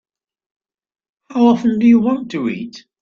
How often do you want to eat?